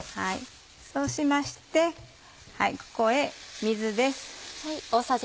そうしましてここへ水です。